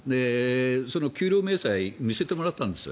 その給与明細見せてもらったんです。